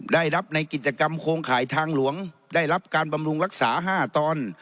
ได้รับในกิจกรรมโครงข่ายทางหลวงได้รับการบำรุงรักษา๕ตอน